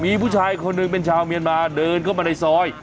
มีผู้ชายคนหนึ่งเป็นชาวเมียนมาเดินเข้ามาในซอย